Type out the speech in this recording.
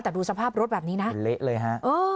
แต่ดูสภาพรถแบบนี้นะเละเลยฮะ